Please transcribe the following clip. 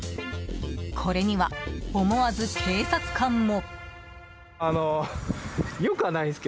これには思わず警察官も。